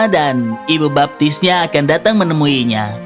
dan ibu baptisnya akan datang menemuinya